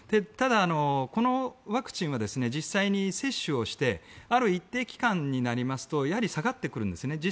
ただ、このワクチンは実際に接種をしてある一定期間になりますとやはり下がってくるんですね。